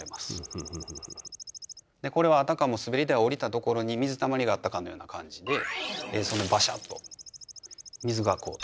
これはあたかも滑り台を降りたところに水たまりがあったかのような感じでバシャッと水がこう飛び散る。